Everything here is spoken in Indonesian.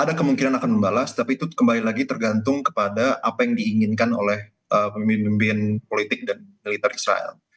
ada kemungkinan akan membalas tapi itu kembali lagi tergantung kepada apa yang diinginkan oleh pemimpin pemimpin politik dan militer israel